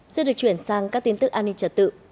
sẽ được chuyển sang các tin tức an ninh trả tự